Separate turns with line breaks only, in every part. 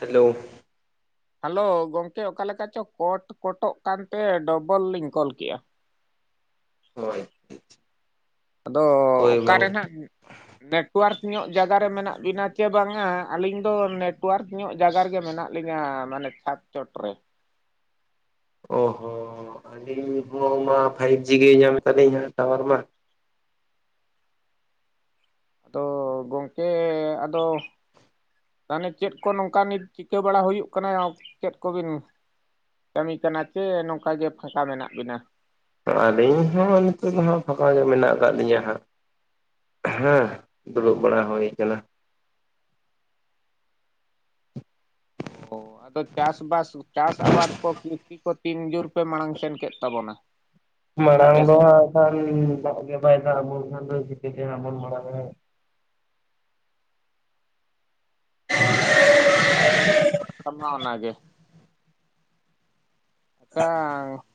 Hello,
hello ᱜᱚᱢᱠᱮ ᱚᱠᱟᱞᱮᱠᱟ ᱪᱚ ᱠᱚᱴ ᱠᱚᱴᱚᱜ ᱠᱟᱱᱛᱮ ᱰᱚᱵᱚᱞ ᱞᱤᱧ ᱠᱚᱞ ᱠᱮᱼᱟ᱾
ᱦᱳᱭ᱾
ᱟᱫᱚᱻ
ᱦᱳᱭ
ᱚᱠᱟ
ᱵᱟᱝ
ᱨᱮᱦᱟᱸᱜ ᱱᱮᱴᱚᱣᱟᱨᱠ ᱧᱚᱜ ᱡᱟᱜᱟ ᱨᱮ ᱢᱮᱱᱟᱜ ᱵᱤᱱᱟ ᱥᱮ ᱵᱟᱝᱟ, ᱟᱹᱞᱤᱧ ᱫᱚ ᱱᱮᱴᱚᱣᱟᱨᱠ ᱧᱚ ᱡᱟᱭᱜᱟ ᱨᱮᱜᱮ ᱢᱮᱱᱟᱜ ᱞᱤᱧᱟ ᱢᱟᱱᱮ ᱪᱷᱟᱫ ᱪᱚᱴ ᱨᱮ᱾
ᱚ ᱦᱚᱸ ᱟᱹᱞᱤᱧ ᱦᱚᱸᱢᱟ ᱯᱷᱟᱭᱤᱵ ᱡᱤ ᱜᱮ ᱧᱟᱢᱮ ᱛᱟᱹᱞᱤᱧᱟᱹ ᱴᱟᱣᱟᱨ ᱢᱟ᱾
ᱟᱫᱚ ᱜᱚᱝᱠᱮ ᱟᱫᱚ ᱢᱟᱲᱮ ᱪᱮᱫ ᱠᱚ ᱱᱚᱝᱠᱟ ᱱᱤᱛ ᱪᱤᱠᱟᱹ ᱵᱟᱲᱟ ᱦᱩᱭᱩᱜ ᱠᱟᱱᱟ? ᱪᱮᱫ ᱠᱚᱵᱤᱱ ᱠᱟᱹᱢᱤ ᱠᱟᱱᱟ ᱪᱮ ᱱᱚᱝᱠᱟ ᱜᱮ ᱯᱷᱟᱠᱟ ᱢᱮᱱᱟᱜ ᱵᱤᱱᱟ?
ᱟᱹᱞᱤᱧ ᱦᱚᱸ ᱱᱤᱛᱚᱜ ᱫᱚ ᱦᱟᱸᱜ ᱯᱷᱟᱠᱟ ᱜᱮ ᱢᱮᱱᱟᱜ ᱠᱟ ᱞᱤᱧᱟᱹ ᱦᱟᱸᱜ᱾ ᱦᱮᱸ ᱫᱩᱲᱩᱵ ᱵᱟᱲᱟ ᱦᱩᱭ ᱠᱟᱱᱟ᱾
ᱚᱻ ᱟᱫᱚ ᱪᱟᱥ ᱵᱟᱥ ᱪᱟᱥ ᱟᱵᱟᱫ ᱠᱚ ᱠᱚᱯᱤ ᱠᱚ ᱛᱤᱱ ᱡᱳᱨ ᱯᱮ ᱢᱟᱲᱟᱝ ᱥᱮᱱ ᱠᱮᱫ ᱛᱟᱵᱚᱱᱟ?
ᱢᱟᱲᱟᱝ
ᱟᱯᱮ
ᱫᱚ
ᱥᱮᱱ
ᱦᱟᱸᱜ ᱠᱷᱟᱱ ᱫᱟᱜ ᱜᱮ ᱵᱟᱭ ᱫᱟᱜ ᱟᱵᱚᱱ ᱠᱷᱟᱱ ᱫᱚ ᱪᱤᱠᱟᱹᱛᱮ ᱦᱟᱸᱜ ᱵᱚᱱ ᱢᱟᱲᱟᱝᱟ᱾
ᱦᱳᱭ ᱠᱟᱛᱟ ᱢᱟ ᱚᱱᱟᱜᱮ [unintelligible]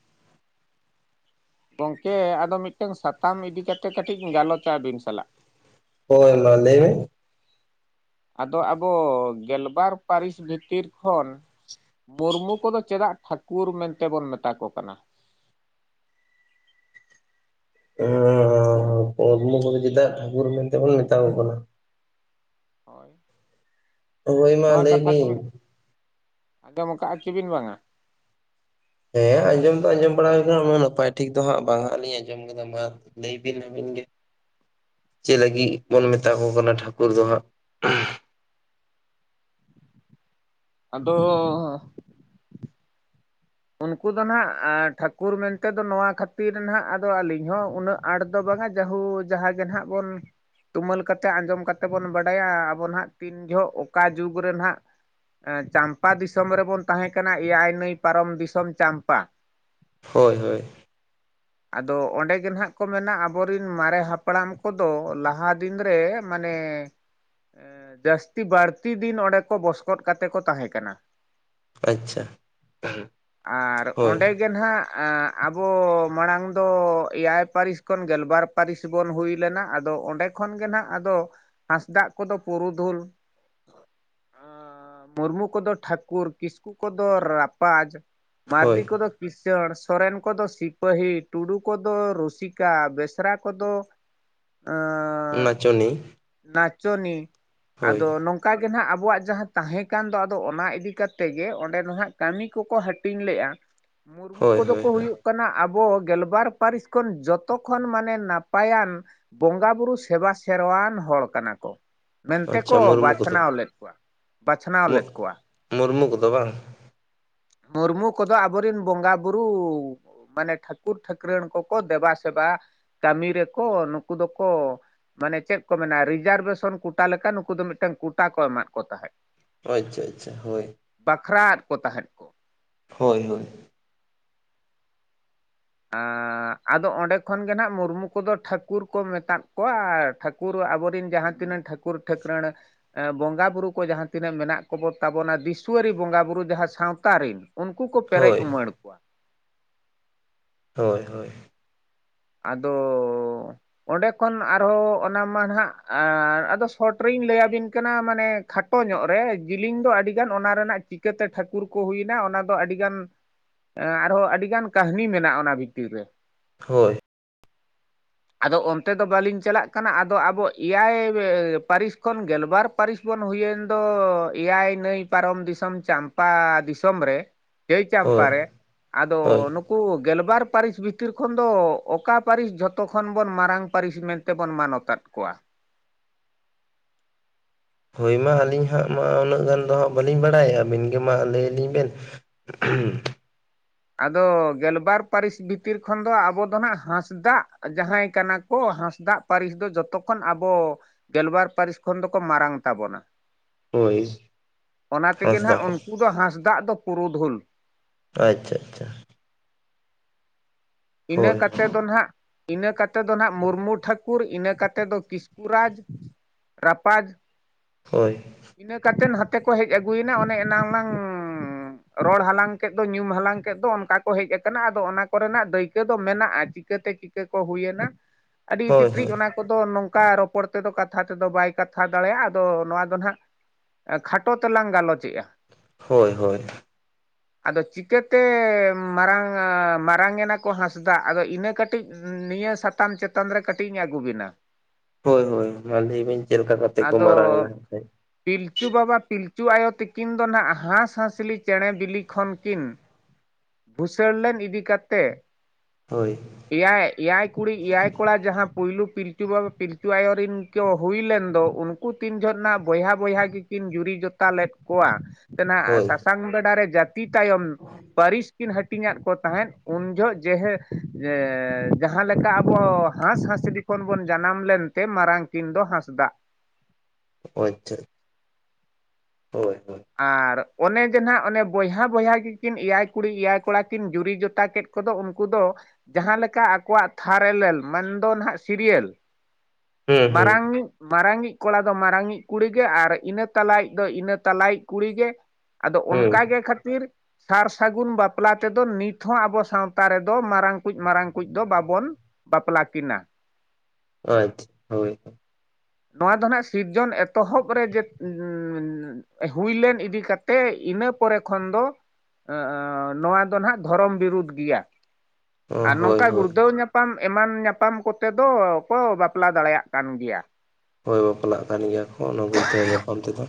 ᱜᱚᱝᱠᱮ ᱟᱫᱚ ᱢᱤᱫᱴᱟᱝ ᱥᱟᱛᱟᱢ ᱤᱫᱤᱠᱟ ᱛᱮᱜ ᱠᱟᱹᱴᱤᱡ ᱤᱧ ᱜᱟᱞᱚᱪᱟ ᱟᱹᱵᱤᱱ ᱥᱟᱞᱟᱜ᱾
ᱦᱳᱭ ᱢᱟ ᱞᱟᱹᱭ ᱢᱮ᱾
ᱟᱫᱚ ᱟᱵᱚ ᱜᱮᱞᱵᱟᱨ ᱯᱟᱹᱨᱤᱥ ᱵᱷᱤᱛᱤᱨ ᱠᱷᱚᱱ ᱢᱩᱨᱢᱩ ᱠᱚᱫᱚ ᱪᱮᱫᱟᱜ ᱴᱷᱟᱹᱠᱩᱨ ᱢᱮᱱᱛᱮᱵᱚᱱ ᱢᱮᱛᱟ ᱠᱚ ᱠᱟᱱᱟ?
ᱦᱮᱸ ᱢᱩᱨᱢᱩ ᱠᱚᱫᱚ ᱪᱮᱫᱟᱜ ᱴᱷᱟᱠᱩᱨ ᱢᱮᱱᱛᱮᱵᱚᱱ ᱢᱮᱛᱟ ᱠᱚ ᱠᱟᱱᱟ,
ᱦᱳᱭ,
ᱦᱳᱭ ᱢᱟ
ᱱᱚᱣᱟ
ᱞᱟᱹᱭ
ᱠᱟᱛᱷᱟ ᱠᱚᱵᱤᱱ
ᱵᱤᱱ
ᱟᱸᱡᱚᱢ ᱠᱟᱼᱟ ᱥᱮ ᱵᱤᱱ ᱵᱟᱝᱟ?
ᱦᱮᱸ ᱟᱸᱡᱚᱢ ᱫᱚ ᱟᱸᱡᱚᱢ ᱵᱟᱲᱟ ᱦᱩᱭᱠᱟᱱᱟ ᱩᱱᱟᱜ ᱱᱟᱯᱟᱭ ᱴᱷᱤᱠ ᱫᱚ ᱦᱟᱸᱜ ᱵᱟᱝ ᱦᱟᱸᱜ ᱞᱤᱧ ᱟᱸᱡᱚᱢ ᱠᱟᱫᱟ ᱢᱟ᱾ ᱞᱟᱹᱭᱵᱤᱱ ᱟᱹᱵᱤᱱ ᱜᱮ? ᱪᱮ ᱞᱟᱹᱜᱤᱫ ᱵᱚᱱ ᱢᱮᱛᱟ ᱠᱚ ᱠᱟᱱᱟ ᱴᱷᱟᱹᱠᱩᱨ ᱫᱚ ᱦᱟᱸᱜ?
ᱟᱫᱚᱻ ᱩᱱᱠᱩ ᱫᱚ ᱱᱟᱦᱟᱜ ᱴᱷᱟᱹᱠᱩᱨ ᱢᱮᱱᱛᱮ ᱫᱚ ᱱᱚᱣᱟ ᱠᱷᱟᱹᱛᱤᱨ ᱱᱟᱦᱟᱜ ᱟᱫᱚ ᱟᱹᱞᱤᱧ ᱦᱚᱸ ᱩᱱᱟᱹᱜ ᱟᱨᱴ ᱫᱚ ᱵᱟᱝᱟ ᱡᱚᱦᱳ ᱡᱟᱦᱟᱸ ᱜᱮ ᱱᱟᱦᱟᱜ ᱵᱚᱱ ᱛᱩᱢᱟᱹᱞ ᱠᱟᱛᱮ ᱟᱸᱡᱚᱢ ᱠᱟᱛᱮ ᱵᱚᱱ ᱵᱟᱰᱟᱭᱟ ᱟᱵᱚ ᱱᱟᱦᱟᱜ, ᱛᱤᱱ ᱡᱚᱦᱚᱜ ᱚᱠᱟ ᱡᱩᱜᱽ ᱨᱮᱱ ᱦᱟᱜ ᱪᱟᱢᱯᱟ ᱫᱤᱥᱚᱢ ᱨᱮᱵᱚᱱ ᱛᱟᱦᱮᱸ ᱠᱟᱱᱟ ᱮᱭᱟᱭ ᱱᱟᱹᱭ ᱯᱟᱨᱚᱢ ᱫᱤᱥᱚᱢ ᱪᱟᱢᱯᱟ᱾
ᱦᱳᱭ ᱦᱳᱭ᱾
[unintelligible] ᱟᱫᱚ ᱚᱸᱰᱮ ᱜᱮ ᱱᱟᱦᱟᱜ ᱠᱚ ᱢᱮᱱᱟ ᱟᱵᱚᱨᱮᱱ ᱢᱟᱨᱮ ᱦᱟᱯᱲᱟᱢ ᱠᱚᱫᱚ ᱞᱟᱦᱟ ᱫᱤᱱ ᱨᱮ ᱢᱟᱱᱮ, ᱮ ᱡᱟᱹᱥᱛᱤ ᱵᱟᱹᱲᱛᱤ ᱫᱤᱱ ᱚᱸᱰᱮ ᱠᱚ ᱵᱚᱥᱠᱚᱫ ᱠᱟᱛᱮ ᱠᱚ ᱛᱟᱦᱮᱸᱠᱟᱱᱟ᱾
ᱟᱪᱪᱷᱟ, ᱦᱮᱸ᱾
ᱟᱨ ᱚᱸᱰᱮ ᱜᱮ ᱱᱟᱦᱟᱸᱜ, ᱟᱵᱚ ᱢᱟᱲᱟᱝ ᱫᱚ ᱮᱭᱟᱭ ᱯᱟᱹᱨᱤᱥ ᱠᱷᱚᱱ ᱜᱮᱞᱵᱟᱨ ᱯᱟᱹᱨᱤᱥ ᱵᱚᱱ ᱦᱩᱭ ᱞᱮᱱᱟ ᱟᱫᱚ ᱚᱸᱰᱮ, ᱠᱷᱚᱱ ᱜᱮ ᱱᱟᱜ ᱟᱫᱚ ᱦᱟᱸᱥᱫᱟᱜ ᱠᱚᱫᱚ ᱯᱩᱨᱩᱫᱷᱩᱞ᱾ ᱟᱸ, ᱢᱩᱨᱢᱩ ᱠᱚᱫᱚ ᱴᱷᱟᱹᱠᱩᱨ ᱠᱤᱥᱠᱩ ᱠᱚᱫᱚ ᱨᱟᱯᱟᱡᱽ
ᱦᱳᱭ
ᱢᱟᱨᱰᱤ ᱠᱚᱫᱚ, ᱠᱤᱥᱟᱹᱬ ᱥᱚᱨᱮᱱ ᱠᱚᱫᱚ ᱥᱤᱯᱟᱹᱦᱤ, ᱴᱩᱰᱩ ᱠᱚᱫᱚ ᱨᱩᱥᱤᱠᱟ, ᱵᱮᱥᱨᱟ ᱠᱚᱫᱚ, [inaudible]
ᱱᱟᱪᱚᱱᱤ᱾
ᱱᱟᱪᱚᱱᱤ,
ᱦᱳᱭ
ᱟᱫᱚ ᱱᱚᱝ ᱚᱱᱠᱟ ᱜᱮ ᱱᱟᱦᱟᱜ ᱟᱵᱚᱣᱟᱜ ᱡᱟᱦᱟᱸ ᱛᱟᱦᱮᱸ ᱠᱟᱱ ᱫᱚ ᱟᱫᱚ ᱚᱱᱟ ᱤᱫᱤ ᱠᱟᱛᱮ ᱜᱮ ᱚᱸᱰᱮ ᱫᱚ ᱱᱟᱦᱟᱜ ᱠᱟᱹᱢᱤ ᱠᱚᱠᱚ ᱦᱟᱹᱴ ᱴᱤᱧ ᱞᱮᱹᱜ-ᱟ, ᱢᱩᱨᱢᱩ
ᱦᱳᱭ
ᱠᱚᱫᱚ
ᱦᱳᱭ
ᱠᱚ
ᱦᱳᱭ
ᱦᱩᱭᱩᱜ ᱠᱟᱱᱟ ᱟᱵᱚ ᱜᱮᱞᱵᱟᱨ ᱯᱟᱹᱨᱤᱥ ᱠᱷᱚᱱ ᱡᱚᱛᱚ ᱠᱷᱚᱱ ᱢᱟᱱᱮ ᱱᱟᱯᱟᱭᱟᱱ, ᱵᱚᱸᱜᱟ ᱵᱩᱨᱩ ᱥᱮᱵᱟ ᱥᱮᱨᱣᱟᱱ ᱦᱚᱲ ᱠᱟᱱᱟ ᱠᱚ᱾ ᱢᱮᱱᱛᱮ
ᱟᱪᱪᱷᱟ
ᱠᱚ
ᱢᱩᱨᱢᱩ ᱠᱚᱫᱚ
ᱵᱟᱪᱷᱱᱟᱣ ᱞᱮᱫ ᱠᱚᱣᱟ᱾ ᱵᱟᱪᱷᱱᱟᱣ ᱞᱮᱫ ᱠᱚᱣᱟ᱾
ᱢᱩᱨᱢᱩ ᱠᱚᱫᱚ ᱵᱟᱝ?
ᱢᱩᱨᱢᱩ ᱠᱚᱫᱚ ᱟᱵᱚᱨᱮᱱ ᱵᱚᱸᱜᱟ ᱵᱩᱨᱩ, ᱢᱟᱱᱮ ᱴᱷᱟᱹᱠᱩᱨ ᱴᱷᱟᱹᱠᱨᱟᱹᱱ ᱠᱚᱠᱚ ᱫᱮᱵᱟ ᱥᱮᱵᱟ ᱠᱟᱹᱢᱤ ᱨᱮᱠᱚ ᱱᱩᱠᱩ ᱫᱚᱠᱚ, ᱢᱟᱱᱮ ᱪᱮᱫ ᱠᱚ ᱢᱮᱱᱟ ᱨᱤᱡᱟᱨᱵᱷᱮᱥᱚᱱ ᱠᱚᱴᱟ ᱞᱮᱠᱟ ᱱᱩᱠᱩ ᱫᱚ ᱢᱤᱫᱴᱮᱱ ᱠᱚᱴᱟ ᱠᱚ ᱮᱢᱟᱫ ᱠᱚ ᱛᱟᱦᱮᱸᱫ᱾
ᱟᱪᱪᱷᱟ ᱟᱪᱪᱷᱟ ᱦᱳᱭ,
ᱵᱟᱠᱷᱨᱟ ᱟᱫ ᱠᱚ ᱛᱟᱦᱮᱸᱫ᱾ ᱠᱚ
ᱦᱳᱭ ᱦᱳᱭ,
ᱟᱸ, ᱟᱫᱚ ᱚᱸᱰᱮ ᱠᱷᱚᱱ ᱜᱮ ᱱᱟᱜ ᱢᱩᱨᱢᱩ ᱠᱚᱫᱚ ᱴᱷᱟᱹᱠᱩᱨ ᱠᱚ ᱢᱮᱛᱟ ᱠᱚᱣᱟ ᱴᱷᱟᱹᱠᱩ ᱠᱩᱨ ᱟᱵᱚᱨᱮᱱ ᱡᱟᱦᱟᱸ ᱛᱤᱱᱟᱹᱜ ᱴᱷᱟᱹᱠᱩᱨ ᱴᱷᱟᱹᱠᱩᱨᱟᱹᱲ, ᱵᱚᱸᱜᱟ ᱵᱩᱨᱩ ᱠᱚ ᱡᱟᱦᱟᱸ ᱛᱤᱱᱟᱹᱜ ᱢᱮᱱᱟᱜ ᱠᱚᱵᱚ ᱛᱟᱵᱚᱱᱟ ᱫᱤᱥᱣᱟᱹᱨᱤ ᱵᱚᱸᱜᱟ ᱵᱩᱨᱩ ᱡᱟᱦᱟᱸ ᱥᱟᱸᱶᱛᱟ ᱨᱮᱱ᱾ ᱩᱱᱠᱩ ᱠᱚ ᱯᱮᱨᱮᱡ
ᱦᱳᱭ
ᱩᱢᱟᱹᱲ ᱠᱚᱣᱟ
ᱦᱳᱭ ᱦᱳᱭ,
ᱟᱫᱚ, ᱚᱸᱰᱮ ᱠᱷᱚᱱ ᱟᱨᱦᱚᱸ ᱚᱱᱟ ᱢᱟ ᱱᱟᱜ ᱟ, ᱟᱫᱚ ᱥᱚᱴ ᱨᱤᱧ ᱞᱟᱹᱭ ᱟᱵᱤᱱ ᱠᱟᱱᱟ ᱢᱟᱱᱮ ᱠᱷᱟᱴ ᱴᱚ ᱧᱚᱜ ᱨᱮ ᱡᱮᱞᱤᱧ ᱫᱚ ᱟᱹᱰᱤ ᱜᱟᱱ ᱚᱱᱟ ᱨᱮᱱᱟᱜ ᱪᱤᱠᱟᱹᱛᱮ ᱴᱷᱟᱹᱠᱩᱨ ᱠᱚ ᱦᱩᱭᱱᱟ ᱚᱱᱟ ᱫᱚ ᱟᱹᱰᱤᱜᱟᱱ, ᱟᱨᱦᱚᱸ ᱟᱹᱰᱤ ᱜᱟᱱ ᱠᱟᱹᱦᱱᱤ ᱢᱮᱱᱟᱜᱼᱟ ᱚᱱᱟ ᱵᱷᱤᱛᱤᱨ ᱨᱮ᱾
ᱦᱳᱭ,
ᱟᱫᱚ ᱚᱱᱛᱮ ᱫᱚ ᱵᱟᱹᱞᱤᱧ ᱪᱟᱞᱟᱜ ᱠᱟᱱᱟ ᱟᱫᱚ ᱟᱵᱚ ᱮᱭᱟᱭ ᱯᱟᱹᱨᱤᱥ ᱠᱷᱚᱱ ᱜᱮᱞᱵᱟᱨ ᱯᱟᱹᱨᱤᱥ ᱵᱚᱱ ᱦᱩᱭ ᱮᱱ ᱫᱚ ᱮᱭᱟᱭ ᱱᱟᱹᱭ ᱯᱟᱨᱚᱢ ᱫᱤᱥᱚᱢ ᱪᱟᱢᱯᱟ ᱫᱤᱥᱚᱢ ᱨᱮ᱾ ᱪᱟᱹᱭ ᱪᱟᱢᱯᱟ
ᱦᱳᱭ
ᱨᱮ ᱟᱫᱚ
ᱦᱳᱭ
ᱱᱩᱠᱩ, ᱠᱩ ᱜᱮᱞᱵᱟᱨ ᱯᱟᱹᱨᱤᱥ ᱵᱷᱤᱛᱤᱨ ᱠᱷᱚᱱ ᱫᱚ ᱚᱠᱟ ᱯᱟᱹᱨᱤᱥ ᱡᱚᱛᱚ, ᱡᱚᱛᱚ ᱠᱷᱚᱱ ᱵᱚᱱ ᱢᱟᱨᱟᱝ ᱯᱟᱹᱨᱤᱥ ᱢᱮᱱᱛᱮ ᱵᱚᱱ ᱢᱟᱱᱚᱛ ᱟᱜ ᱠᱚᱣᱟ᱾
ᱦᱳᱭ ᱢᱟ ᱟᱹᱞᱤᱧ ᱦᱟᱸᱜ ᱢᱟ ᱩᱱᱟᱹᱜ ᱜᱟᱱ ᱫᱚ ᱦᱟᱸᱜ ᱵᱟᱹᱞᱤᱧ ᱵᱟᱲᱟᱭᱟ ᱟᱹᱵᱤᱱ ᱜᱮ ᱢᱟ ᱞᱟᱹᱭ ᱟᱹᱞᱤᱧ ᱵᱮᱱ᱾ [unintelligible]
ᱟᱫᱚ ᱜᱮᱞᱵᱟᱨ ᱯᱟᱹᱨᱤᱥ ᱵᱷᱤᱛᱤᱨ ᱠᱷᱚᱱ ᱫᱚ ᱟᱵᱚ ᱫᱚ ᱟᱸᱱᱟᱜ ᱦᱟᱸᱥᱫᱟᱜ ᱡᱟᱦᱟᱸᱭ ᱠᱟᱱᱟ ᱠᱚ ᱦᱟᱸᱥᱫᱟᱜ᱾ ᱯᱟᱹᱨᱤᱥ ᱫᱚ ᱡᱚᱛᱚ ᱠᱷᱚᱱ ᱟᱵᱚ ᱜᱮᱞᱵᱟᱨ ᱯᱟᱹᱨᱤᱥ ᱠᱷᱚᱱ ᱫᱚᱠᱚ ᱢᱟᱨᱟᱝ ᱛᱟᱵᱚᱱᱟ᱾
ᱦᱳᱭ
ᱚᱱᱟ ᱛᱮᱜᱮ
ᱦᱟᱸᱥᱫᱟ
ᱱᱟᱜ
ᱠᱚ
ᱩᱱᱠᱩ ᱫᱚ ᱦᱟᱸᱥᱫᱟᱜ ᱫᱚ ᱯᱩᱨᱩᱫᱷᱩᱞ᱾
ᱟᱪᱪᱷᱟ ᱟᱪᱪᱷᱟ,
ᱤᱱᱟᱹ
ᱦᱳᱭ
ᱠᱟᱛᱮ ᱫᱚ ᱱᱟᱜ, ᱤᱱᱟᱹ ᱠᱟᱛᱮ ᱫᱚ ᱱᱟᱦᱟᱸᱜ ᱢᱩᱨᱢᱩ ᱴᱷᱟᱹᱠᱩᱨ ᱤᱱᱟᱹ ᱠᱟᱛᱮ ᱫᱚ ᱠᱤᱥᱠᱩ ᱨᱟᱡᱽ ᱨᱟᱯᱟᱡᱽ
ᱦᱳᱭ
ᱤᱱᱟᱹ ᱠᱟᱛᱮ ᱱᱷᱟᱛᱮ ᱠᱚ ᱦᱮᱡ ᱟᱹᱜᱩᱭ ᱮᱱᱟ ᱚᱱᱮ ᱮᱱᱟᱝ ᱞᱟᱝ ᱨᱚᱲ ᱦᱟᱞᱟᱝ ᱠᱮᱫ ᱫᱚ ᱧᱩᱢ ᱦᱟᱞᱟᱝ ᱠᱮᱫ ᱫᱚ ᱚᱱᱠᱟ ᱠᱚ ᱦᱮᱡ ᱟᱠᱟᱱᱟ ᱟᱫᱚ ᱚᱱᱟ ᱠᱚ ᱨᱮᱱᱟᱜ ᱫᱟᱹᱭ...... ᱪᱤᱠᱟᱹ ᱫᱚ ᱢᱮᱱᱟᱜᱼᱟ ᱪᱤᱠᱟᱹ ᱛᱮ ᱪᱤᱠᱟᱹ ᱠᱚ ᱦᱩᱭ ᱮᱱᱟ ᱟᱹᱰᱤ
ᱦᱳᱭ
ᱛᱤᱛᱨᱤᱡ
ᱦᱳᱭ
ᱚᱱᱟ ᱠᱚᱫᱚ ᱱᱚᱝᱠᱟ ᱨᱚᱯᱚᱲ ᱛᱮ ᱫᱚ ᱠᱟᱛᱷᱟ ᱛᱮ ᱫᱚ ᱵᱟᱭ ᱠᱟᱛᱷᱟ ᱫᱟᱲᱮᱭᱟᱜᱼᱟ ᱟᱫᱚ ᱱᱚᱣᱟ ᱫᱚ ᱱᱟᱦᱟᱜ ᱠᱷᱟᱴᱚ ᱛᱮᱞᱟᱝ ᱜᱟᱞᱚᱪᱮᱜᱼᱟ
ᱦᱚᱭ ᱦᱚᱭ
ᱟᱫᱚ ᱪᱤᱠᱟᱹᱛᱮ ᱢᱟᱨᱟᱝ ᱟ.... ᱢᱟᱨᱟᱝ ᱮᱱᱟᱜ ᱠᱚ ᱦᱟᱸᱥᱫᱟᱜ ᱟᱫᱚ ᱤᱱᱟᱹ ᱠᱟᱹᱴᱤᱡ ᱱᱤᱭᱟᱹ ᱥᱟᱛᱟᱢ ᱪᱮᱛᱟᱱ ᱨᱮ ᱠᱟᱹᱴᱤᱡ ᱤᱧ ᱟᱹᱜᱩ ᱵᱤᱱᱟ
ᱦᱚᱭ ᱦᱚᱭ ᱢᱟ ᱞᱟᱹᱭ ᱵᱤᱱ ᱪᱮᱫ ᱞᱮᱠᱟ ᱠᱟᱛᱮ ᱠᱚ ᱢᱟᱨᱟᱝ
ᱟᱫᱚ
ᱮᱱᱟ
ᱯᱤᱞᱪᱩ ᱵᱟᱵᱟ ᱯᱤᱞᱪᱩ ᱟᱭᱳ ᱛᱤᱠᱤᱱ ᱫᱚ ᱱᱟᱦᱟᱸᱜ ᱦᱟᱸᱥᱼᱦᱟᱸᱥᱞᱤ ᱪᱮᱬᱮ ᱵᱤᱞᱤ ᱠᱷᱚᱱ ᱠᱤᱱ ᱵᱷᱩᱥᱟᱹᱲ ᱞᱮᱱ ᱤᱫᱤ ᱠᱟᱛᱮ
ᱦᱚᱭ
ᱮᱭᱟᱭ ᱮᱭᱟᱭ ᱠᱩᱲᱤ ᱮᱭᱟᱭ ᱠᱚᱲᱟ ᱡᱟᱦᱟᱸ ᱯᱩᱭᱞᱩ ᱯᱤᱞᱪᱩ ᱵᱟᱵᱟ ᱯᱤᱞᱪᱩ ᱟᱭᱳᱤᱱ ᱠᱚ ᱦᱩᱭ ᱞᱮᱱ ᱟᱫᱚ ᱩᱱᱠᱩ ᱛᱤᱱ ᱡᱷᱚᱜᱱᱟᱜ ᱵᱚᱭᱦᱟ ᱵᱚᱭᱦᱟ ᱜᱮᱠᱤᱱ ᱡᱩᱨᱤ ᱡᱚᱛᱟ ᱞᱮᱫ ᱠᱚᱣᱟ ᱛᱮᱱᱟᱜ
ᱦᱳᱭ
ᱥᱟᱥᱟᱝ ᱵᱮᱰᱟ ᱨᱮ ᱡᱟᱹᱛᱤ ᱛᱟᱭᱚᱢ ᱯᱟᱹᱨᱤᱥ ᱠᱤᱱ ᱦᱟᱹᱴᱤᱧᱫ ᱠᱚ ᱛᱟᱦᱮᱸᱫ ᱩᱱ ᱡᱚᱦᱚᱜ ᱡᱮᱦᱮ ᱡᱮᱻ ᱡᱟᱦᱟᱸ ᱞᱮᱠᱟ ᱟᱵᱚ ᱦᱟᱸᱥᱼᱦᱟᱸᱥᱞᱤ ᱠᱷᱚᱱ ᱵᱚᱱ ᱡᱟᱱᱟᱢ ᱞᱮᱱᱛᱮ ᱢᱟᱨᱟᱝ ᱠᱤᱱ ᱫᱚ ᱦᱟᱸᱥᱫᱟᱜ
ᱟᱪᱪᱷᱟ ᱟᱪᱷᱟ ᱦᱳᱭ
ᱟᱨ ᱚᱱᱮ ᱡᱮ ᱱᱟᱦᱱᱟᱜ ᱚᱱᱮ ᱵᱚᱭᱦᱟ ᱵᱚᱭᱦᱟ ᱜᱮ ᱠᱤᱱ ᱮᱭᱟᱭ ᱠᱩᱲᱤ ᱮᱭᱟᱭ ᱠᱚᱲᱟ ᱠᱤᱱ ᱡᱩᱨᱤ ᱡᱚᱛᱟ ᱠᱮᱫ ᱠᱚᱫᱚ ᱩᱱᱠᱩ ᱫᱚ ᱡᱟᱦᱟᱸ ᱞᱮᱠᱟ ᱟᱠᱚᱣᱟᱜ ᱛᱷᱟᱨ ᱮᱞᱮᱞ ᱢᱟᱱᱫᱚ ᱱᱟᱦᱟᱸᱜ ᱥᱤᱨᱭᱮᱞ
ᱦᱩᱸ ᱦᱩᱸ
ᱢᱟᱨᱟᱝᱤᱡ...... ᱢᱟᱨᱟᱝᱤᱡ ᱠᱚᱲᱟ ᱫᱚ ᱢᱟᱨᱟᱝᱤᱡ ᱠᱩᱲᱤ ᱜᱮ ᱟᱨ ᱤᱱᱟᱹ ᱛᱟᱞᱟᱭᱤᱡ ᱫᱚ ᱤᱱᱟᱹ ᱛᱟᱞᱟᱭᱤᱡ ᱠᱩᱲᱤ ᱜᱮ ᱟᱫᱚ
ᱦᱩᱸ
ᱚᱱᱠᱟᱜᱮ ᱠᱷᱟᱹᱛᱤᱨ ᱥᱟᱨ ᱥᱟᱹᱜᱩᱱ ᱵᱟᱯᱞᱟ ᱛᱮᱫᱚ ᱱᱤᱛ ᱦᱚᱸ ᱟᱵᱚ ᱥᱟᱶᱛᱟ ᱨᱮ ᱫᱚ ᱢᱟᱨᱟᱝ ᱠᱚᱡ ᱢᱟᱨᱟᱝ ᱠᱚᱡ ᱫᱚ ᱵᱟᱵᱚᱱ ᱵᱟᱯᱞᱟ ᱠᱤᱱᱟ
ᱟᱪᱪᱷᱟ ᱦᱚᱭ [unintelligible]
ᱱᱚᱶᱟ ᱫᱚ ᱦᱟᱸᱜ ᱥᱤᱨᱡᱚᱱ ᱮᱛᱚᱦᱚᱵ ᱨᱮ ᱡᱮ [unintelligible] ᱦᱩᱭ ᱞᱮᱱ ᱤᱫᱤ ᱠᱟᱛᱮᱫ ᱤᱱᱟᱹ ᱯᱚᱨᱮ ᱠᱷᱚᱱ ᱫᱚ [unintelligible] ᱱᱚᱣᱟ ᱫᱚ ᱱᱟᱦᱟᱜ ᱫᱷᱚᱨᱚᱢ ᱵᱤᱨᱩᱫᱽ ᱜᱮᱭᱟ
ᱦᱳᱭ
ᱟᱨ ᱱᱚᱝᱠᱟ
ᱦᱳᱭ
ᱜᱩᱲᱫᱟᱹᱣ ᱧᱟᱯᱟᱢ ᱮᱢᱟᱱ ᱧᱟᱯᱟᱢ ᱠᱚᱛᱮ ᱫᱚ ᱠᱚ ᱵᱟᱯᱞᱟ ᱫᱟᱲᱮᱭᱟᱜ ᱠᱟᱱ ᱜᱮᱭᱟ
ᱦᱚᱭ ᱵᱟᱯᱞᱟᱜ ᱠᱟᱱ ᱜᱮᱭᱟ ᱠᱚ ᱚᱱᱟ ᱜᱩᱲᱫᱹᱟᱣ ᱧᱟᱯᱟᱢ ᱛᱮᱫᱚ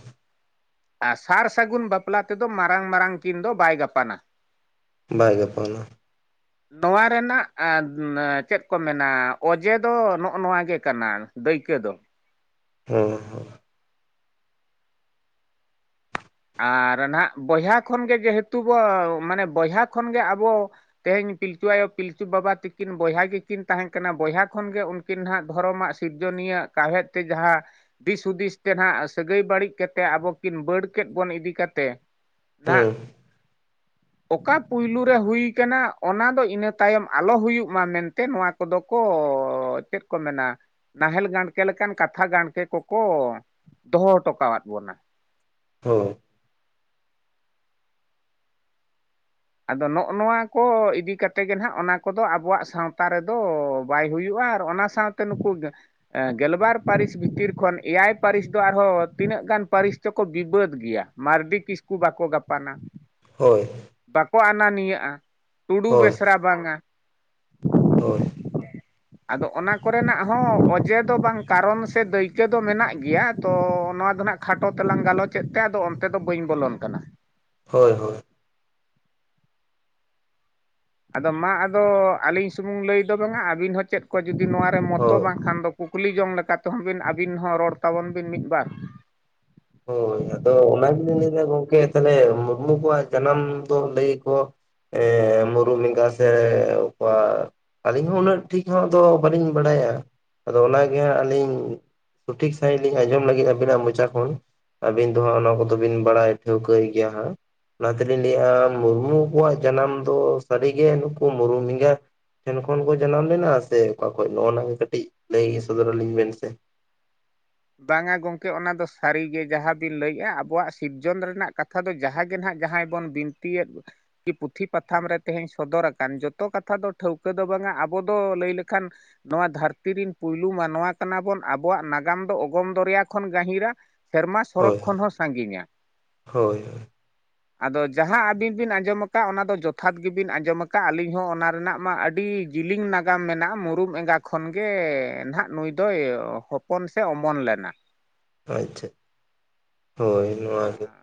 ᱟᱨ ᱥᱟᱨ ᱥᱟᱹᱜᱩᱱ ᱵᱟᱯᱞᱟ ᱛᱮᱫᱚ ᱢᱟᱨᱟᱝ ᱢᱟᱨᱟᱝ ᱠᱤᱱ ᱫᱚ ᱵᱟᱭ ᱜᱟᱯᱟᱱᱟ
ᱵᱟᱭ ᱜᱟᱯᱟᱱᱟ
[inaudible] ᱱᱚᱶᱟ ᱨᱮᱱᱟᱜ ᱪᱮᱫ ᱠᱚ ᱢᱮᱱᱟ ᱚᱡᱮ ᱫᱚ ᱱᱚᱜᱼᱱᱚᱶᱟ ᱜᱮ ᱠᱟᱱᱟ ᱫᱟᱹᱭᱠᱟᱹ ᱫᱚ
ᱦᱩᱸ ᱦᱩᱸ
ᱟᱨ ᱱᱟᱦᱟᱜ ᱵᱚᱭᱦᱟ ᱠᱷᱚᱱ ᱜᱮ ᱜᱮᱦᱮᱛᱩ ᱵᱚ ᱢᱟᱱᱮ ᱵᱚᱭᱦᱟ ᱠᱷᱚᱱ ᱜᱮ ᱟᱵᱚ ᱛᱮᱦᱮᱧ ᱯᱤᱞᱪᱩ ᱟᱭᱳ ᱯᱤᱞᱪᱩ ᱵᱟᱵᱟ ᱛᱟᱹᱠᱤᱱ ᱵᱚᱭᱦᱟ ᱜᱮ ᱠᱤᱱ ᱛᱟᱦᱮᱸ ᱠᱟᱱᱟ ᱵᱚᱭᱦᱟ ᱠᱷᱚᱱ ᱜᱮ ᱚᱱ..... ᱠᱤᱱ ᱦᱟᱸᱜ ᱫᱷᱚᱨᱚᱢᱟᱜ ᱥᱤᱨᱡᱚᱱᱤᱭᱟᱹ ᱠᱟᱦᱮᱫ ᱛᱮ ᱡᱟᱦᱟᱸ ᱫᱤᱥ ᱦᱩᱫᱤᱥ ᱛᱮ ᱱᱟᱦᱟᱜ ᱥᱟᱹᱜᱟᱹᱭ ᱵᱟᱹᱲᱤᱡ ᱠᱟᱛᱮᱫ ᱟᱵᱚ ᱠᱤᱱ ᱵᱟᱹᱲ ᱠᱮᱫ ᱵᱚᱱ ᱤᱫᱤ ᱠᱟᱛᱮ ᱱᱟᱜᱼᱼ
ᱦᱮᱸ
ᱚᱠᱟ ᱯᱩᱭᱞᱳ ᱨᱮ ᱦᱩᱭ ᱠᱟᱱᱟ ᱚᱱᱟ ᱫᱚ ᱤᱱᱟᱹ ᱛᱟᱭᱚᱢ ᱟᱞᱚ ᱦᱩᱭᱩᱜ ᱢᱟ ᱢᱮᱱᱛᱮ ᱱᱚᱣᱟᱼᱼ ᱠᱚᱫᱚ ᱠᱚ ᱪᱮᱫ ᱠᱚ ᱢᱮᱱᱟᱼᱼ ᱱᱟᱦᱮᱞ ᱜᱟᱲᱠᱮ ᱞᱮᱠᱟᱱ ᱠᱟᱛᱷᱟ ᱜᱟᱲᱠᱮ ᱠᱚᱠᱚ ᱫᱚᱦᱚ ᱦᱚᱴᱚᱠᱟᱫ ᱵᱚᱱᱟ᱾
ᱦᱳᱸ [inaudible]
ᱟᱫᱚ ᱱᱚᱜᱼᱚ ᱱᱚᱣᱟ ᱠᱚ ᱤᱫᱤ ᱠᱟᱛᱮ ᱜᱮ ᱱᱟᱦᱱᱟᱜ ᱚᱱᱟ ᱠᱚᱫᱚ ᱟᱵᱚᱣᱟᱜ ᱥᱟᱶᱛᱟ ᱨᱮᱫᱚ ᱵᱟᱭ ᱦᱩᱭᱩᱜᱼᱟ ᱟᱨ ᱚᱱᱟᱼᱼ ᱥᱟᱶᱛᱮ ᱱᱩᱠᱩᱼᱼ ᱜᱮᱞᱵᱟᱨ ᱯᱟᱹᱨᱤᱥ ᱵᱷᱤᱛᱤᱨ ᱠᱷᱚᱱ ᱮᱭᱟᱭ ᱯᱟᱹᱨᱤᱥ ᱫᱚ ᱟᱨᱦᱚᱸ ᱛᱤᱱᱟᱹᱜ ᱜᱟᱱ ᱯᱟᱹᱨᱤᱥᱼᱼ ᱪᱚᱠᱚ ᱵᱤᱵᱟᱹᱫ ᱜᱮᱭᱟ ᱢᱟᱨᱰᱤ ᱠᱤᱥᱠᱩ ᱵᱟᱠᱚ ᱜᱟᱯᱟᱱᱟ᱾
ᱦᱳᱭ
ᱵᱟᱠᱚ ᱟᱱᱟᱱᱤᱭᱟᱹᱜᱼᱟ ᱴᱩᱰᱩ
ᱦᱳᱭ
ᱵᱮᱥᱨᱟ ᱵᱟᱝᱟ,
ᱦᱳᱭ
ᱟᱫᱚ ᱚᱱᱟ ᱠᱚᱨᱮᱱᱟᱜ ᱦᱚᱸ ᱚᱡᱮ ᱫᱚ ᱵᱟᱝ ᱠᱟᱨᱚᱱ ᱥᱮ ᱫᱟᱹᱭᱠᱟᱹ ᱫᱚ ᱢᱮᱱᱟᱜ ᱜᱮᱭᱟ, ᱛᱚ ᱱᱚᱣᱟ ᱫᱚ ᱱᱟᱜ ᱠᱷᱟᱴᱚ ᱛᱮᱞᱟᱝ ᱜᱟᱞᱚᱪᱮᱫ ᱛᱮ ᱟᱫᱚ ᱚᱱᱛᱮ ᱫᱚ ᱵᱟᱹᱧ ᱵᱚᱞᱚᱱ ᱠᱟᱱᱟ᱾
ᱦᱳᱭ ᱦᱳᱭ᱾
ᱟᱫᱚ ᱢᱟ ᱟᱫᱚ ᱟᱹᱞᱤᱧ ᱥᱩᱢᱩᱝ ᱞᱟᱹᱭ ᱫᱚ ᱵᱟᱝᱟ, ᱟᱹᱵᱤᱱ ᱦᱚᱸ ᱪᱮᱫ ᱠᱚ ᱡᱩᱫᱤ ᱱᱚᱣᱟᱨᱮ ᱢᱚᱛᱚ
ᱦᱳᱭ
ᱵᱟᱝᱠᱷᱟᱱ ᱫᱚ ᱠᱩᱠᱞᱤ ᱡᱚᱝ ᱞᱮᱠᱟ ᱛᱮᱦᱚᱸ ᱵᱤᱱ ᱟᱹᱵᱤᱱ ᱦᱚᱸ ᱨᱚᱲ ᱛᱟᱵᱚᱱ ᱵᱤᱱ ᱢᱤᱫ ᱵᱟᱨ᱾
ᱦᱳᱭ ᱟᱫᱚ ᱚᱱᱟ ᱜᱮᱞᱤᱧ ᱞᱟᱹᱭᱫᱟ, ᱜᱚᱝᱠᱮ ᱛᱟᱦᱞᱮ ᱢᱩᱨᱢᱩ ᱠᱚᱣᱟᱜ ᱡᱟᱱᱟᱢ ᱫᱚ ᱞᱟᱹᱭ ᱟᱠᱚ ᱢᱩᱨᱩᱢ ᱮᱸᱜᱟ ᱥᱮ ᱚᱠᱟ ᱟᱹᱞᱤᱧ ᱦᱚᱸ ᱩᱱᱟᱹᱜ ᱴᱷᱤᱠ ᱦᱚᱸ ᱵᱟᱹᱞᱤᱧ ᱵᱟᱲᱟᱭᱟ, ᱟᱫᱚ ᱚᱱᱟᱜᱮ ᱦᱟᱸᱜ ᱟᱹᱞᱤᱧᱼᱼ ᱥᱚᱴᱷᱤᱠ ᱥᱟᱺᱦᱤᱡ ᱞᱤᱧ ᱟᱸᱡᱚᱢ ᱞᱟᱹᱜᱤᱫ ᱟᱹᱵᱤᱱᱟᱜ ᱢᱚᱪᱟ ᱠᱷᱚᱱ᱾ ᱟᱹᱵᱤᱱ ᱫᱚ ᱦᱟᱸᱜ ᱚᱱᱟ ᱠᱚᱫᱚ ᱵᱤᱱ ᱵᱟᱲᱟᱭ ᱴᱷᱟᱹᱣᱠᱟᱹᱭ ᱜᱮᱭᱟ ᱦᱟᱸᱜ, ᱚᱱᱟ ᱛᱮᱞᱤᱧ ᱞᱟᱹᱭᱮᱫᱼᱟ ᱢᱩᱨᱢᱩ ᱠᱚᱣᱟᱜ ᱡᱟᱱᱟᱢ ᱫᱚ ᱥᱟᱹᱨᱤᱜᱮ ᱱᱩᱠᱩ ᱢᱩᱨᱢ ᱢᱮᱸᱜᱟᱼᱼ ᱴᱷᱮᱱ ᱠᱷᱚᱱ ᱠᱚ ᱡᱟᱱᱟᱢ ᱞᱮᱱᱟ ᱥᱮ ᱚᱠᱟ ᱠᱷᱚᱱ ᱱᱚᱜ- ᱟ ᱜᱮ ᱠᱟᱹᱴᱤᱡ ᱞᱟᱹᱭ ᱥᱚᱫᱚᱨ ᱟᱹᱞᱤᱧ ᱵᱮᱱ ᱥᱮ᱾
ᱵᱟᱝ-ᱟ ᱜᱚᱢᱠᱮ ᱚᱱᱟ ᱫᱚ ᱥᱟᱹᱨᱤ ᱜᱮ ᱡᱟᱦᱟᱸ ᱵᱤᱱ ᱞᱟᱹᱭᱮᱜᱼᱟ ᱟᱵᱚᱣᱟᱜ ᱥᱤᱨᱡᱚᱱ ᱨᱮᱱᱟᱜ ᱠᱟᱛᱷᱟ᱾ ᱠᱟᱛᱷᱟ ᱫᱚ ᱡᱟᱦᱟᱸᱜ ᱜᱮ ᱱᱟᱦᱟᱜ ᱡᱟᱦᱟᱸᱭ ᱵᱚᱱ ᱵᱤᱱᱛᱤᱭᱮᱫ ᱠᱤ ᱯᱩᱛᱷᱤ ᱯᱟᱛᱷᱟᱢ ᱛᱮᱦᱮᱧ ᱥᱚᱫᱚᱨ ᱟᱠᱟᱱ ᱡᱚᱛᱚ ᱠᱟᱛᱷᱟ ᱫᱚ ᱴᱷᱟᱹᱣᱠᱟᱹ ᱫᱚ ᱵᱟᱝᱟ, ᱟᱵᱚ ᱫᱚ ᱞᱟᱹᱭ ᱞᱮᱠᱷᱟᱱ ᱱᱚᱣᱟ ᱫᱷᱟᱹᱨᱛᱤ ᱨᱮᱱ ᱯᱳᱭᱞᱳ ᱢᱟᱱᱣᱟ ᱠᱟᱱᱟ ᱵᱚᱱ, ᱟᱵᱚᱣᱟᱜ ᱱᱟᱜᱟᱢ ᱫᱚ ᱚᱜᱚᱢ ᱫᱚᱨᱭᱟ ᱠᱷᱚᱱ ᱜᱟᱹᱦᱤᱨᱟ᱾ ᱥᱮᱨᱢᱟ ᱥᱚᱨᱚᱠ
ᱦᱳᱭ
ᱠᱷᱚᱱ ᱦᱚᱸ ᱥᱟᱺᱜᱤᱧᱟ᱾
ᱦᱳᱭ
ᱟᱫᱚ ᱡᱟᱦᱟᱸ ᱟᱹᱵᱤᱱ ᱵᱤᱱ ᱟᱸᱡᱚᱢ ᱟᱠᱟᱫ ᱚᱱᱟ ᱫᱚ ᱡᱚᱛᱷᱟᱛ ᱜᱮᱵᱤᱱ ᱟᱸᱡᱚᱢ ᱟᱠᱟᱫ ᱟᱹᱞᱤᱧ ᱦᱚᱸ ᱚᱱᱟ ᱨᱮᱱᱟᱜ ᱢᱟ ᱟᱹᱰᱤ ᱡᱤᱞᱤᱝ ᱱᱟᱜᱟᱢ ᱢᱮᱱᱟᱜᱼᱟ, ᱢᱩᱨᱩᱢ ᱮᱸᱜᱟ ᱠᱷᱚᱱ ᱜᱮ ᱱᱟᱦᱟᱜ ᱱᱩᱭ ᱫᱚᱭ ᱦᱚᱯᱚᱱ ᱥᱮ ᱚ ᱯᱚᱱ ᱞᱮᱱᱟ᱾
ᱟᱪᱪᱷᱟ ᱦᱳᱭ ᱱᱚᱣᱟ ᱜᱮ ᱼᱼ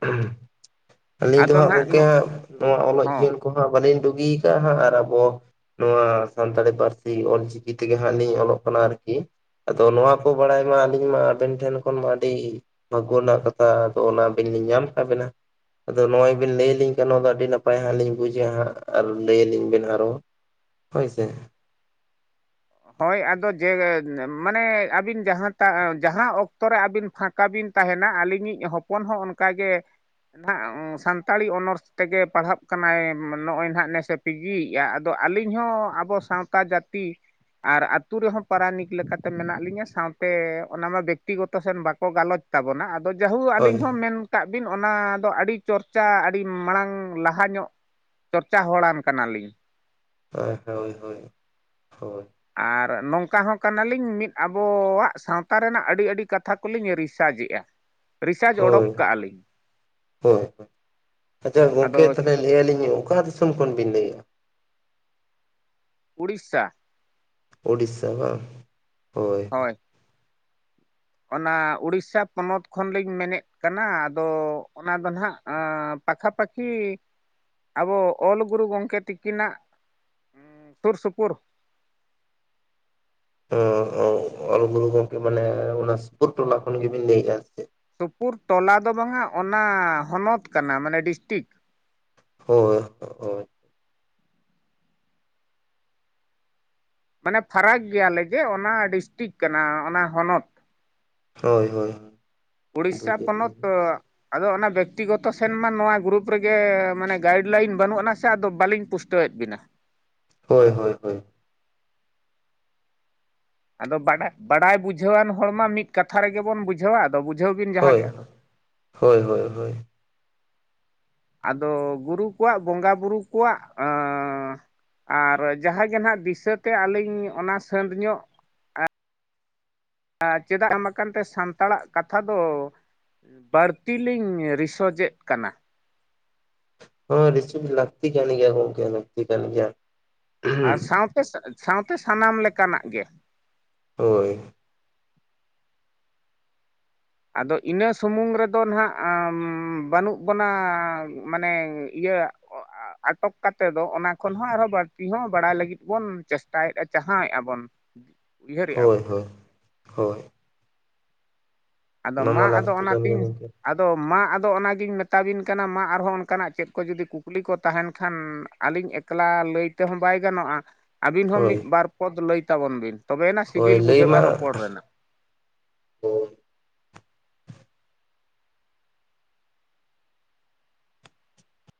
ᱟᱹᱞᱤᱧ ᱫᱚ
ᱟᱫᱚ
ᱦᱟᱸᱜ
ᱱᱟᱦᱟᱜ
ᱜᱚᱢᱠᱮ ᱦᱟᱸᱜ ᱱᱚᱣᱟ ᱚᱞᱚᱜ
ᱦᱚᱸ
ᱡᱤᱭᱚᱱ ᱠᱚᱦᱟᱸᱜ ᱵᱟᱹᱞᱤᱧ ᱰᱩᱜᱤ ᱟᱠᱟᱜᱼᱟ ᱦᱟᱸᱜ ᱟᱨ ᱟᱵᱚ ᱱᱚᱣᱟ ᱥᱟᱱᱛᱟᱲᱤ ᱯᱟᱹᱨᱥᱤ ᱚᱞᱪᱤᱠᱤ ᱛᱮᱜᱮ ᱦᱟᱸᱜ ᱞᱤᱧ ᱚᱞᱚᱜ ᱠᱟᱱᱟ ᱟᱨᱠᱤ᱾ ᱟᱫᱚ ᱱᱚᱣᱟ ᱠᱚ ᱵᱟᱲᱟᱭ ᱢᱟ ᱟᱹᱞᱤᱧ ᱢᱟ ᱟᱵᱮᱱ ᱴᱷᱮᱱ ᱠᱷᱚᱱ ᱢᱟ ᱟᱹᱰᱤ ᱵᱷᱟᱜ-ᱜᱳ ᱨᱮᱱᱟᱜ ᱠᱟᱛᱷᱟ, ᱟᱫᱚ ᱚᱱᱟ ᱟᱹᱵᱤᱱ ᱞᱤᱧ ᱧᱟᱢ ᱟᱠᱟᱫ ᱵᱤᱱᱟ ᱟᱫᱚ ᱱᱚᱜᱚᱭ ᱵᱮᱱ ᱞᱟᱹᱭ ᱟᱞᱤᱧ ᱠᱷᱟᱱ ᱱᱚᱣᱟ ᱫᱚ ᱟᱹᱰᱤ ᱱᱟᱯᱟᱭ ᱦᱟᱸᱜ ᱞᱤᱧ ᱵᱩᱡᱟ ᱦᱟᱸᱜ ᱟᱨ ᱞᱟᱹᱭᱟᱞᱤᱧ ᱵᱮᱱ ᱟᱨᱦᱚᱸᱼᱼ ᱦᱳᱭ ᱥᱮ,
ᱦᱳᱭ ᱟᱫᱚ ᱡᱮ, ᱢᱟᱱᱮ ᱟᱹᱵᱤᱱ ᱡᱟᱦᱟᱸ ᱛᱟᱜ ᱡᱟᱦᱟᱸ ᱚᱠᱛᱚ ᱨᱮ ᱟᱹᱵᱤᱱ ᱯᱷᱟᱠ ᱚᱱᱠᱟ ᱵᱤᱱ ᱛᱟᱦᱮᱱᱟ ᱟᱹᱞᱤᱧ ᱤᱡ ᱦᱚᱯᱚᱱ ᱦᱚᱸ ᱚᱱᱠᱟᱜᱮ ᱱᱟᱦᱟᱜ ᱥᱟᱱᱛᱟᱲᱤ ᱚᱱᱚᱨᱥ ᱛᱮᱜᱮ ᱯᱟᱲᱦᱟᱜ ᱠᱟᱱᱟᱭ, ᱱᱚᱜᱼᱚᱭ ᱱᱟᱦᱟᱜ ᱱᱮᱥᱮᱼᱼ ᱯᱤᱡᱤᱭᱮᱫᱼᱟ, ᱟᱫᱚ ᱟᱹᱞᱤᱧ ᱦᱚᱸ ᱟᱵᱚ ᱥᱟᱶᱛᱟ ᱡᱟᱹᱛᱤ ᱟᱨ ᱟᱹᱛᱩ ᱨᱮᱦᱚᱸ ᱯᱟᱨᱟᱱᱤᱠ ᱞᱮᱠᱟᱛᱮ ᱞᱤᱧᱟᱹ ᱥᱟᱶᱛᱮ ᱚᱱᱟᱢᱟ ᱵᱮᱠᱛᱤᱜᱚᱛᱚ ᱥᱮᱱ ᱵᱟᱠᱚ ᱜᱟᱞᱚᱪᱼᱼ ᱛᱟᱵᱚᱱᱟ ᱟᱫᱚ ᱡᱟᱦᱩᱠ
ᱦᱳᱭ
ᱟᱹᱞᱤᱧ ᱦᱚᱸ ᱢᱮᱱᱼᱼ ᱠᱟᱜ ᱵᱤᱱ ᱚᱱᱟ ᱫᱚ ᱟᱹᱰᱤ ᱪᱚᱨᱪᱟ ᱟᱹᱰᱤ ᱢᱟᱲᱟᱝ ᱞᱟᱦᱟ ᱧᱚᱜ ᱪᱚᱨᱪᱟ ᱦᱚᱲᱟᱱ ᱠᱟᱱᱟᱞᱤᱧ ᱾
ᱦᱳᱭ, ᱦᱳᱭ, ᱦᱳᱭ, ᱦᱳᱭ
ᱟᱨ ᱱᱚᱝᱠᱟ ᱦᱚᱸ ᱠᱟᱱᱟᱞᱤᱧ ᱢᱤᱫ ᱟᱵᱚᱣᱟᱜ ᱥᱟᱶᱛᱟ ᱨᱮᱱᱟᱜ ᱟᱹᱰᱤ ᱟᱹᱰᱤ ᱠᱟᱛᱷᱟ ᱠᱚᱞᱤᱧ ᱨᱤᱥᱟᱨᱪᱮᱜᱼᱟ ᱾
ᱦᱳᱭ ᱦᱳᱭ, ᱟᱫᱚ ᱜᱚᱝᱠᱮ ᱛᱟᱦᱞᱮ ᱞᱟᱹᱭ ᱟᱹᱞᱤᱧ ᱚᱠᱟ ᱫᱤᱥᱚᱢ ᱠᱷᱚᱱ ᱵᱤᱱ ᱞᱟᱹᱭᱮᱫᱼᱟ?
ᱳᱲᱤᱥᱥᱟ ᱾
ᱩᱰᱤᱫᱥᱟ ᱵᱟᱝ ᱦᱳᱭ ᱦᱳᱭ ᱾
ᱚᱱᱟ ᱩᱲᱤᱥᱥᱟ ᱯᱚᱱᱚᱛ ᱠᱷᱚᱱᱞᱤᱧ ᱢᱮᱱᱮᱫ ᱠᱟᱱᱟ ᱟᱫᱚ ᱚᱱᱟ ᱫᱚ ᱱᱟᱦᱟᱜ ᱯᱟᱠᱷᱟ ᱯᱟᱠᱷᱤ ᱟᱵᱚ ᱚᱞ ᱜᱩᱨᱩ ᱜᱚᱢᱠᱮ ᱛᱤᱠᱤᱱᱟᱜ ᱥᱩᱨ ᱥᱩᱯᱩᱨᱩᱨ
ᱚᱞ ᱜᱩᱨᱩ ᱜᱚᱝᱠᱮ ᱢᱟᱱᱮ, ᱚᱱᱟ ᱥᱩᱯᱩᱨ ᱴᱚᱞᱟ ᱠᱷᱚᱱ ᱜᱮᱵᱤᱱ ᱞᱟᱹᱭᱮᱫᱼᱟ, ᱥᱮ ᱪᱮᱫ?
ᱥᱩᱯᱩᱨ ᱴᱚᱞᱟ ᱫᱚ ᱵᱟᱝ-ᱟ ᱚᱱᱟ ᱦᱚᱱᱚᱛ ᱠᱟᱱᱟ, ᱢᱟᱱᱮ ᱰᱤᱥᱴᱤᱠ᱾
ᱦᱳᱭ ᱾
ᱢᱟᱱᱮ ᱯᱷᱟᱨᱟᱠ ᱜᱮᱭᱟ ᱞᱮᱜᱮ, ᱚᱱᱟ ᱰᱤᱥᱴᱤᱠ ᱠᱟᱱᱟ ᱚᱱᱟ ᱦᱚᱱᱚᱛ᱾
ᱦᱳᱭ ᱦᱳᱭ ᱾
ᱩᱲᱤᱥᱥᱟ ᱯᱚᱱᱚᱛ ᱟᱫᱚ ᱚᱱᱟ ᱵᱮᱠᱛᱤ ᱜᱚᱛᱚ ᱥᱮᱱ ᱢᱟ ᱱᱚᱣᱟ ᱜᱨᱩᱯ ᱨᱮ ᱜᱮ ᱢᱟᱱᱮ ᱜᱟᱭᱤᱰ ᱞᱟᱭᱤᱱ ᱵᱟᱹᱱᱩᱜ ᱟᱱᱟ ᱥᱮ ᱟᱫᱚ ᱵᱟᱹᱞᱤᱧ ᱯᱩᱥᱴᱟᱹᱣ ᱮᱫ ᱵᱤᱱᱟ᱾
ᱦᱳᱭ ᱦᱳᱭ ᱦᱳᱭ ᱾
ᱟᱫᱚ ᱵᱟᱰᱟᱭ ᱵᱩᱡᱷᱟᱹᱣᱟᱱ ᱦᱚᱲ ᱢᱟ ᱢᱤᱫ ᱠᱟᱛᱷᱟ ᱨᱮᱜᱮ ᱵᱚᱱ ᱵᱩᱡᱷᱟᱹᱣᱟ ᱟᱫᱚ ᱵᱩᱡᱷᱟᱹᱣ ᱵᱤᱱ ᱡᱟᱦᱟᱸ
ᱦᱳᱭ
ᱜᱮ ᱟᱫᱚ
ᱦᱳᱭ ᱦᱳᱭ ᱦᱳᱭ ᱾
ᱟᱫᱚ ᱜᱩᱨᱩ ᱠᱚᱣᱟᱜ ᱵᱚᱸᱜᱟ ᱵᱩᱨᱩ ᱠᱚᱣᱟᱜ ᱟ ᱻ ᱟᱨ ᱡᱟᱦᱟᱸᱜᱮ ᱱᱟᱦᱟᱜ ᱫᱤᱥᱟᱹᱛᱮ ᱟᱹᱞᱤᱧ ᱚᱱᱟ ᱥᱟᱺᱫ ᱧᱚᱜ ᱪᱮᱫᱟᱜ ᱮᱢᱟᱠᱟᱱ ᱛᱮ ᱥᱟᱱᱛᱟᱲᱟᱜ ᱠᱟᱛᱷᱟ ᱫᱚ ᱵᱟᱹᱲᱛᱤ ᱞᱤᱧ ᱨᱤᱥᱚᱡᱮᱫ ᱠᱟᱱᱟ᱾
[unintelligible] ᱨᱤᱥᱳᱡ ᱞᱟᱹᱠᱛᱤ ᱠᱟᱱ ᱜᱮᱭᱟ ᱜᱚᱝᱠᱮ ᱞᱟᱹᱠᱛᱤ ᱠᱟᱱ ᱜᱮᱭᱟ᱾
ᱟᱨ ᱥᱟᱶᱛᱮ ᱥᱟᱶᱛᱮ ᱥᱟᱱᱟᱢ ᱞᱮᱠᱟᱱᱟᱜ ᱜᱮ
ᱦᱳᱭ ᱾
ᱟᱫᱚ ᱤᱱᱟᱹ ᱥᱩᱢᱩᱝ ᱨᱮᱫᱚ ᱱᱟᱦᱟᱸᱜ ᱵᱟᱹᱱᱩᱜ ᱵᱚᱱᱟ ᱢᱟᱱᱮ ᱤᱭᱟᱹ ᱟᱴᱚᱠ ᱠᱟᱛᱮ ᱫᱚ ᱚᱱᱟ ᱠᱷᱚᱱ ᱦᱚᱸ ᱟᱨᱦᱚᱸ ᱵᱟᱹᱲᱛᱤ ᱦᱚᱸ ᱵᱟᱲᱟᱭ ᱞᱟᱹᱜᱤᱫ ᱵᱚᱱ ᱪᱮᱥᱴᱟᱭᱮᱫᱼᱟ, ᱪᱟᱦᱟᱣᱮᱫᱼᱟ ᱵᱚᱱ᱾ [unintelligible]
ᱦᱳᱭ
ᱵᱚᱱ
ᱦᱳᱭ ᱦᱳᱭ ᱾
ᱟᱫᱚ ᱢᱟ ᱟᱫᱚ
ᱞᱟᱹᱠᱛᱤ ᱠᱟᱱ ᱜᱮᱭᱟ
ᱚᱱᱟᱛᱤᱧ
ᱜᱚᱝᱠᱮ
ᱟᱫᱚ ᱢᱟ ᱟᱫᱚ ᱚᱱᱟᱜᱤᱧ ᱢᱮᱛᱟᱵᱤᱱ ᱠᱟᱱᱟ ᱢᱟ ᱟᱨᱦᱚᱸ ᱚᱱᱠᱟᱱᱟᱜ ᱪᱮᱫ ᱠᱚ ᱡᱩᱫᱤ ᱠᱩᱠᱞᱤ ᱠᱚ ᱛᱟᱦᱮᱱ ᱠᱷᱟᱱ ᱟᱹᱞᱤᱧ ᱮᱠᱞᱟ ᱞᱟᱹᱭ ᱛᱮᱦᱚᱸ ᱵᱟᱭ ᱜᱟᱱᱚᱜᱼᱟ᱾ ᱟᱹᱵᱤᱱ ᱦᱚᱸ
ᱦᱳᱭ
ᱢᱤᱫ ᱵᱟᱨ ᱯᱚᱫ ᱞᱟᱹᱭ ᱛᱟᱵᱚᱱ ᱵᱤᱱ ᱛᱚᱵᱮᱭᱱᱟ
ᱦᱳᱭ
ᱥᱤᱵᱤᱞ
ᱞᱟᱹᱭ
ᱵᱩᱡᱷᱟᱹᱜᱼᱟ
ᱢᱟ
ᱨᱚᱯᱚᱲ ᱨᱮᱱᱟᱜ᱾